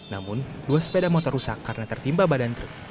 namun dua sepeda motor rusak karena tertimpa badan truk